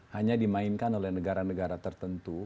hanya dimainkan oleh negara negara tertentu